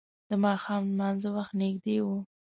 د ماښام لمانځه وخت نږدې و.